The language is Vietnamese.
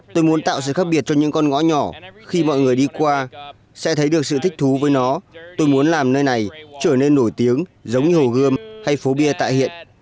tôi muốn tạo sự khác biệt cho những con ngõ nhỏ khi mọi người đi qua sẽ thấy được sự thích thú với nó tôi muốn làm nơi này trở nên nổi tiếng giống như hồ gươm hay phố bia tại hiện